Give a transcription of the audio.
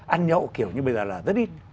ăn nhậu kiểu như bây giờ là rất ít